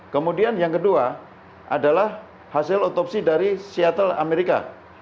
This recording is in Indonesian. kemudian yang kedua adalah hasil otopsi dari seattle amerika